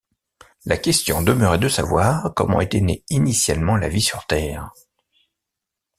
La question demeurait de savoir comment était née initialement la vie sur Terre.